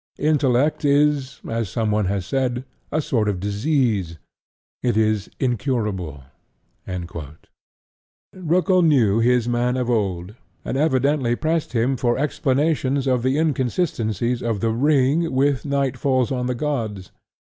Intellect is, as some one has said, a sort of disease: it is incurable." Roeckel knew his man of old, and evidently pressed him for explanations of the inconsistencies of The Ring with Night Falls On The Gods.